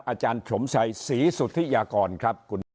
อาจารย์ถมชัยศรีสุธิอยากรครับ